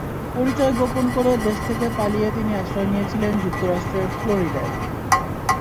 পরিচয় গোপন করে দেশ থেকে পালিয়ে তিনি আশ্রয় নিয়েছিলেন যুক্তরাষ্ট্রের ফ্লোরিডায়।